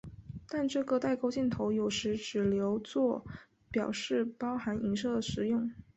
但这个带钩箭号有时只留作表示包含映射时用。